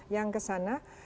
yang ke sana